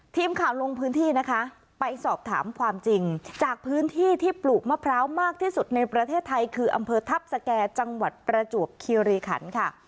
ทีมข่าวลงพื้นที่นะคะไปสอบถามความจริงจากพื้นที่ที่ปลูกมะพร้าวมากที่สุดในประเทศไทยคืออำเภอทัพสแก่จังหวัดประจวบคีรีขันค่ะ